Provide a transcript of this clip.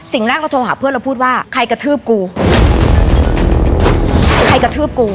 สิ่งแรกโทรหาเพื่อนเราพูดว่าใครกระทืบกู